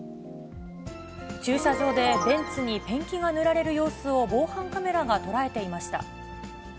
駐車場でベンツにペンキが塗られる様子を防犯カメラが捉えていました。